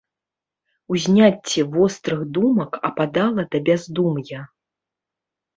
Узняцце вострых думак ападала да бяздум'я.